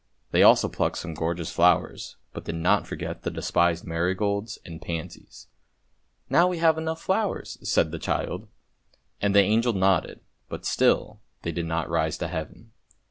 They also plucked some gorgeous flowers, but did not forget the despised marigolds and pansies. " Now we have enough flowers," said the child, and the angel nodded, but still they did not rise to Heaven.